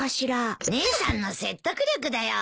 姉さんの説得力だよ。